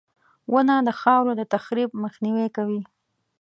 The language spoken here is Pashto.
• ونه د خاورو د تخریب مخنیوی کوي.